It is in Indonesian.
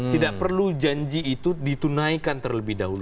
tidak perlu janji itu ditunaikan terlebih dahulu